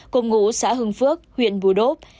cùng ngũ xã hừng phước huyện bù đốp